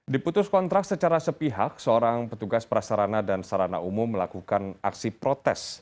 diputus kontrak secara sepihak seorang petugas prasarana dan sarana umum melakukan aksi protes